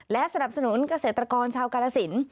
และสนับสนุนเกษตรกรชาวกาลสิน